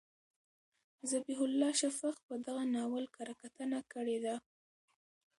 ذبیح الله شفق په دغه ناول کره کتنه کړې ده.